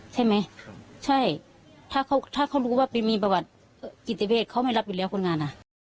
ใช่ไหมใช่ถ้าเขาถ้าเขารู้ว่าไปมีประวัติจิตเวทเขาไม่รับอยู่แล้วคนงานอ่ะ